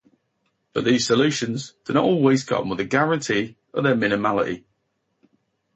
But these solutions do not always come with a guarantee of their minimality.